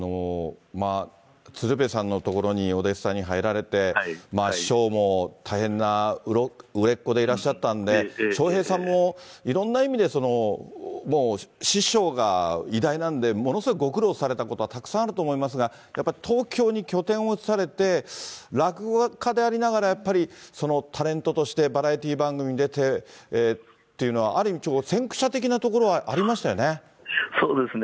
鶴瓶さんのところにお弟子さんに入られて、師匠も大変な売れっ子でいらっしゃったんで、笑瓶さんもいろんな意味でもう師匠が偉大なんで、ものすごいご苦労されたことはたくさんあると思いますが、やっぱ東京に拠点を移されて、落語家でありながら、やっぱりタレントとして、バラエティー番組出てというのは、ある意味先駆者的なところはありましたよね。